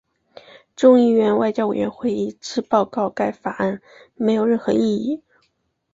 众议院外交委员会一致报告该法案没有任何意义。